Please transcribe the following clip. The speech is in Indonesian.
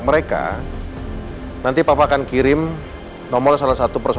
aduh kenapa suara airnya kenceng banget sih